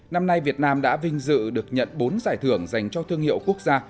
năm nay việt nam đã vinh dự được nhận bốn giải thưởng dành cho thương hiệu quốc gia